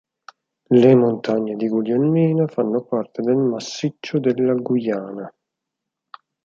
Le montagne di Guglielmina fanno parte del Massiccio della Guiana.